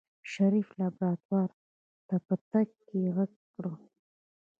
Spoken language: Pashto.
شريف لابراتوار ته په تګ کې غږ کړ.